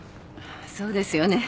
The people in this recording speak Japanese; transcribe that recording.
そうですよね。